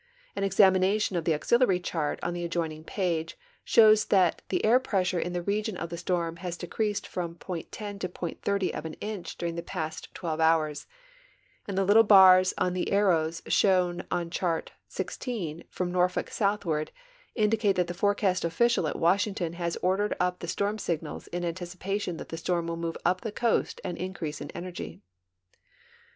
An examination of the auxiliary chart on the adjoining page shows that the air pressure in the region of the storm has decreased .10 to .30 of an inch during the past 12 hours, and the little bars on the arrows shown on ("hart XVI, from Norfolk southward, indicate that the forecast official at Washington has ordered up the storm signals in anticipation that the storm will move up the coast and increase in energy.